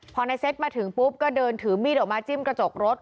พอในเซตมาถึงปุ๊บก็เดินถือมีดออกมาจิ้มกระจกรถ